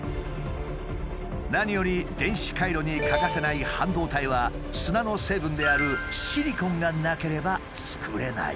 何より電子回路に欠かせない半導体は砂の成分であるシリコンがなければ作れない。